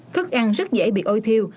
thức ăn rất dễ bị ôi thiêu